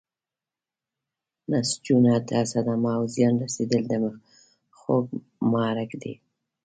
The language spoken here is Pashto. نسجونو ته صدمه او زیان رسیدل د خوږ محرک دی.